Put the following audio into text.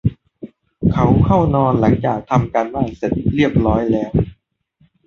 เขาเข้านอนหลังจากทำการบ้านเสร็จเรียบร้อยแล้ว